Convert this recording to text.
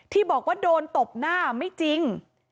ที่บอกว่าโดนตบหน้าไม่จริง